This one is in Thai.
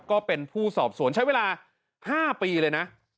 ก็เป็นผู้สอบสวนใช้เวลา๕ปีเลยนะ